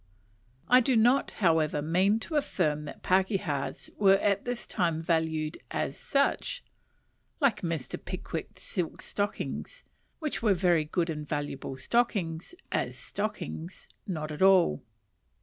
I do not, however, mean to affirm that pakehas were at this time valued "as such," like Mr. Pickwick's silk stockings, which were very good and valuable stockings, "as stockings;" not at all.